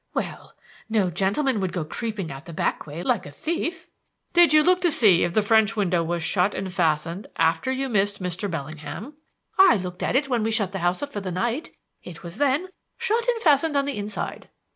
"Well, no gentleman would go creeping out the back way like a thief." "Did you look to see if the French window was shut and fastened after you missed Mr. Bellingham?" "I looked at it when we shut the house up for the night. It was then shut and fastened on the inside."